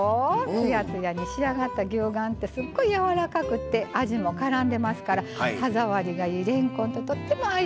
つやつやに仕上がった牛丸ってすっごいやわらかくて味もからんでますから歯触りがいいれんこんととっても相性がいいんです。